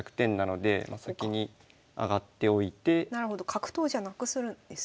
角頭じゃなくするんですね。